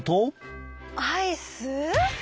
アイス？